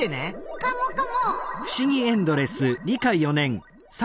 カモカモ。